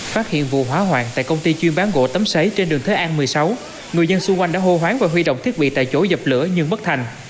phát hiện vụ hỏa hoạn tại công ty chuyên bán gỗ tấm sấy trên đường thế an một mươi sáu người dân xung quanh đã hô hoáng và huy động thiết bị tại chỗ dập lửa nhưng bất thành